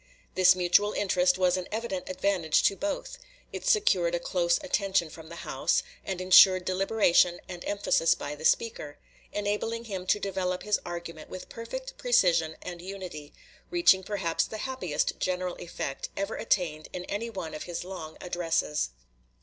This mutual interest was an evident advantage to both; it secured a close attention from the house, and insured deliberation and emphasis by the speaker, enabling him to develop his argument with perfect precision and unity, reaching perhaps the happiest general effect ever attained in any one of his long addresses.